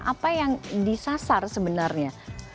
apa yang disasar sebenarnya